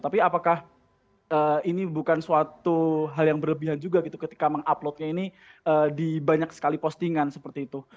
tapi apakah ini bukan suatu hal yang berlebihan juga gitu ketika menguploadnya ini di banyak sekali postingan seperti itu